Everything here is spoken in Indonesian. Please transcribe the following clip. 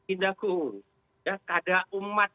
indahku ya kadang umat